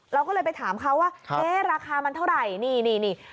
เราก็เลยไปถามเขาว่าเอ๊ะราคามันเท่าไหร่นี่นี่